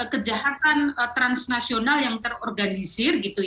kejahatan transnasional yang terorganisir